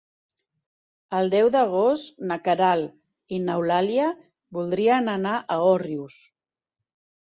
El deu d'agost na Queralt i n'Eulàlia voldrien anar a Òrrius.